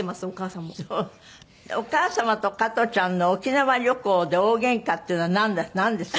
お母様と加トちゃんの沖縄旅行で大げんかっていうのはなんですか？